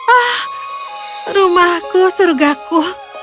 ah rumahku surugaku